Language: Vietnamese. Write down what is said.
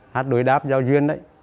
hát đối đáp giao duyên đấy